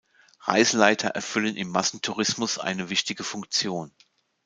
Reiseleiter erfüllen im Massentourismus eine wichtige Funktion.